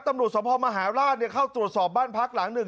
ตำรวจสภมหาราชเข้าตรวจสอบบ้านพักหลังหนึ่ง